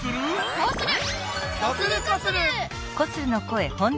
こうする！